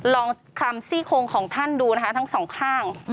ลองคำซี่โครงของท่านดูนะคะทั้งสองข้าง